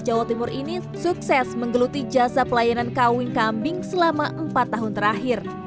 jawa timur ini sukses menggeluti jasa pelayanan kawin kambing selama empat tahun terakhir